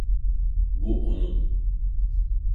Bu onun.